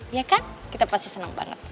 iya kan kita pasti senang banget